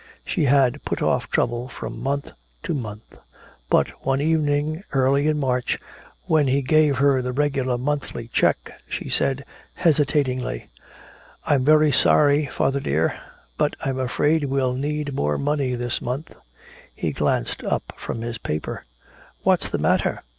She had put off trouble from month to month. But one evening early in March, when he gave her the regular monthly check, she said hesitatingly: "I'm very sorry, father dear, but I'm afraid we'll need more money this month." He glanced up from his paper: "What's the matter?"